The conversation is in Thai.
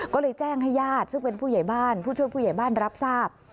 ก็เลยแจ้งให้ญาติซึ่งเป็นผู้ใหญ่บ้านผู้ช่วยผู้ใหญ่บ้านรับทราบ